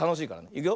いくよ。